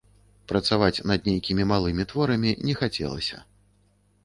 Працаваць над нейкімі малымі творамі не хацелася.